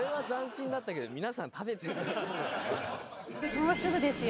「もうすぐですよ。